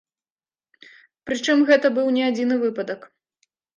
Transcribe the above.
Пры чым гэта быў не адзіны выпадак.